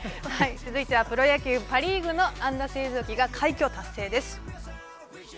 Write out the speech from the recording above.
続いては、プロ野球パ・リーグの安打製造機が快挙達成です。